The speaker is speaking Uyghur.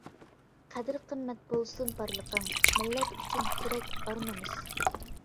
قەدىر قىممەت بولسۇن بارلىقىڭ، مىللەت ئۈچۈن كېرەك ئار-نومۇس.